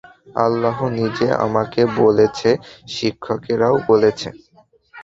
আল্লাহ নিজে আমাকে বলেছে, শিক্ষকেরাও বলেছে।